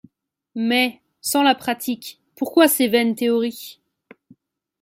Mais, sans la pratique, pourquoi ces vaines théories?